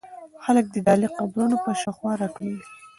خلک د جعلي قبرونو په شاوخوا راټولېږي.